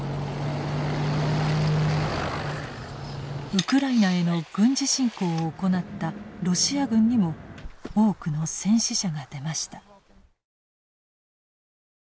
ウクライナへの軍事侵攻を行ったロシア軍にも多くの戦死者が出ました。